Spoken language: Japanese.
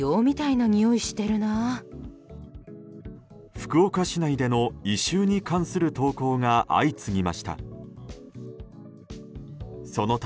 福岡市内での異臭に関する投稿が相次ぎました。